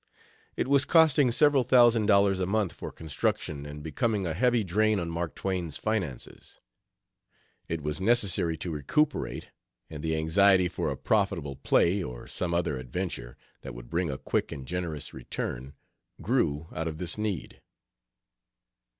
It was costing several thousand dollars a month for construction and becoming a heavy drain on Mark Twain's finances. It was necessary to recuperate, and the anxiety for a profitable play, or some other adventure that would bring a quick and generous return, grew out of this need.